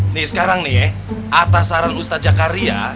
nih sekarang nih atas saran ustadz jakaria